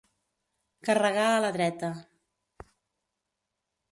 Carregar a la dreta.